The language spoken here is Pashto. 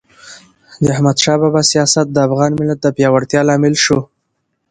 د احمد شاه بابا سیاست د افغان ملت د پیاوړتیا لامل سو.